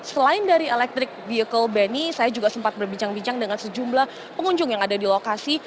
selain dari electric vehicle benny saya juga sempat berbincang bincang dengan sejumlah pengunjung yang ada di lokasi